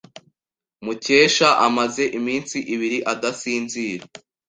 Mukesha amaze iminsi ibiri adasinzira.